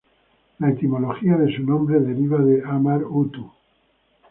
La etimología de su nombre deriva de "amar-Utu".